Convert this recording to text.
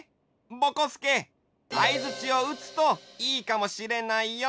ぼこすけあいづちを打つといいかもしれないよ。